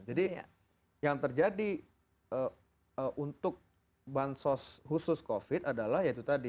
jadi yang terjadi untuk bansol khusus covid adalah yaitu tadi